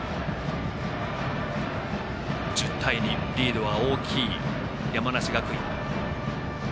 １０対２リードは大きい山梨学院。